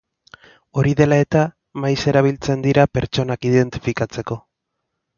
Hori dela eta, maiz erabiltzen dira pertsonak identifikatzeko.